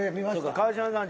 川島さん